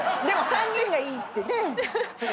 でも３人がいいってね。